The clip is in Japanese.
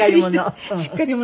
しっかり者。